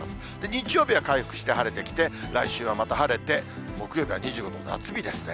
日曜日は回復して晴れてきて、来週はまた晴れて、木曜日は２５度、夏日ですね。